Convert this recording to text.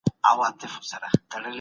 دولت نور سازمانونه کنټرول کړل.